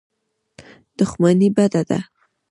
دښمني بده ده.